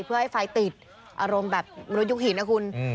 เพื่อให้ไฟติดอารมณ์แบบมนุษยุคหินนะคุณ